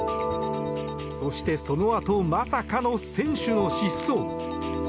そして、そのあとまさかの選手の失踪。